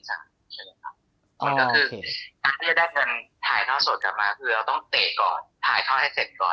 มันก็คือการที่จะได้เงินถ่ายท่อสดกลับมาคือเราต้องเตะก่อนถ่ายท่อให้เสร็จก่อน